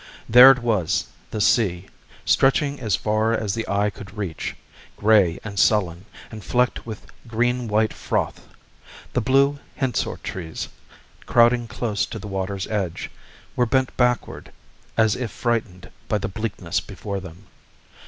There it was, the sea, stretching as far as the eye could reach, gray and sullen, and flecked with green white froth. The blue hensorr trees, crowding close to the water's edge, were bent backward as if frightened by the bleakness before them.